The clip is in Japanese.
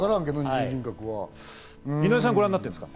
井上さんはご覧になってるんですか？